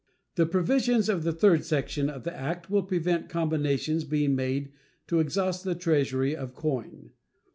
The provisions of the third section of the act will prevent combinations being made to exhaust the Treasury of coin.